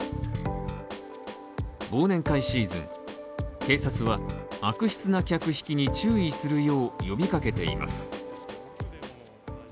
忘年会シーズン、警察は悪質な客引きに注意するよう呼びかけています。